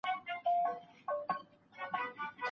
مدیتیشن کول د خوب په کیفیت هم اغېز لري.